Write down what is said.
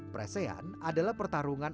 presean adalah pertarungan